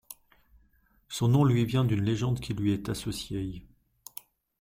Son nom lui vient d'une légende qui lui est associée.